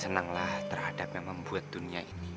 senanglah terhadap yang membuat dunia ini